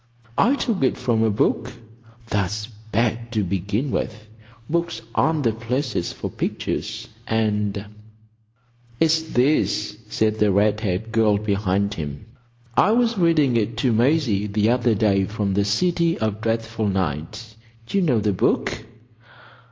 "I took it from a book." "That's bad, to begin with. Books aren't the places for pictures. And——" "It's this," said the red haired girl behind him. "I was reading it to Maisie the other day from The City of Dreadful Night. D'you know the book?"